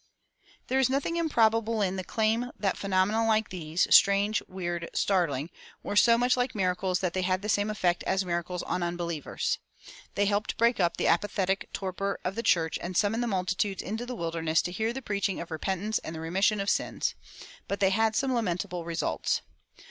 "[240:1] There is nothing improbable in the claim that phenomena like these, strange, weird, startling, "were so much like miracles that they had the same effect as miracles on unbelievers." They helped break up the apathetic torpor of the church and summon the multitudes into the wilderness to hear the preaching of repentance and the remission of sins. But they had some lamentable results.